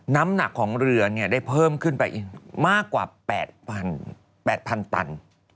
น้ำหนักของเรือได้เพิ่มขึ้นไปอีกมากกว่า๘๐๐๐ตัน